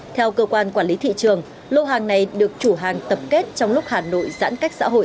theo cơ quan quản lý thị trường lô hàng này được chủ hàng tập kết trong lúc hà nội giãn cách xã hội